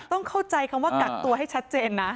ต้องเข้าใจคำว่ากักตัวให้ชัดเจนนะ